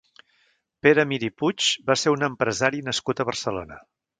Pere Mir i Puig va ser un empresari nascut a Barcelona.